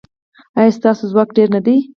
ایا ستاسو ځواک ډیر نه دی؟